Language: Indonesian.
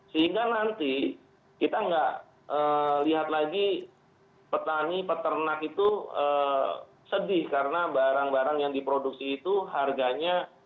sehingga nanti kita nggak lihat lagi petani peternak itu sedih karena barang barang yang diproduksi itu harganya